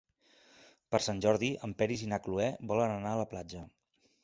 Per Sant Jordi en Peris i na Cloè volen anar a la platja.